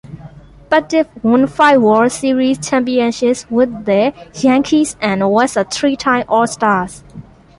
Pettitte won five World Series championships with the Yankees and was a three-time All-Star.